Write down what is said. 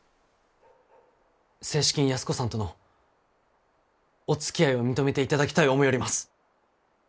正式に安子さんとのおつきあいを認めていただきたい思ようります。